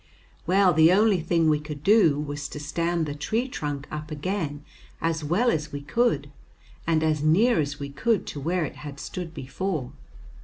Well, the only thing we could do was to stand the tree trunk up again as well as we could, and as near as we could to where it had stood before.